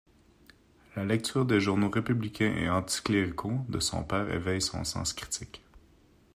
La lecture des journaux républicains et anticléricaux de son père éveille son sens critique.